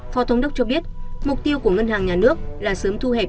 phó thống đốc cho biết mục tiêu của ngân hàng nhà nước là sớm thu hẹp